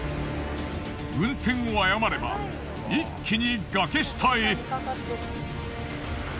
運転を誤れば一気に崖下へ。